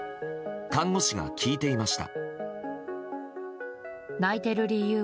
看護師が聞いていました。